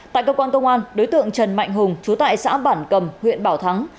tại cơ quan công an đối tượng trần mạnh hùng chú tại xã bản cầm huyện bảo thắng